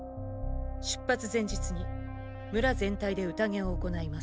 出発前日に村全体で宴を行います。